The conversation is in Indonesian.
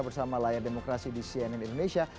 bersama layar demokrasi di cnn indonesia